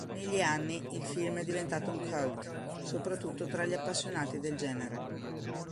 Negli anni il film è diventato un cult, soprattutto tra gli appassionati del genere.